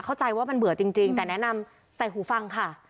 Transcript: เข้าใจว่ามันเบื่อจริงแต่แนะนำใส่หูฟังค่ะ